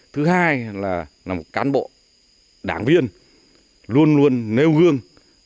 thứ hai là một cán bộ đảng viên luôn luôn nêu gương